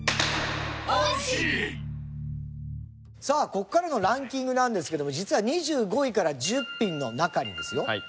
さあここからのランキングなんですけども実は２５位から１０品の中にですよ